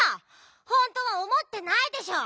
ほんとはおもってないでしょ！